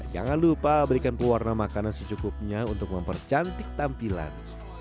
jangan lupa berikan pewarna makanan secukupnya untuk mempercantik tampilan